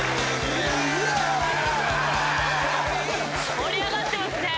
盛り上がってますね。